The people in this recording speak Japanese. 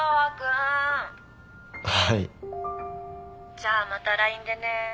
じゃあまたＬＩＮＥでね。